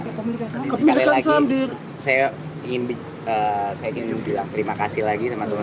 sekali lagi saya ingin saya ingin bilang terima kasih lagi sama teman teman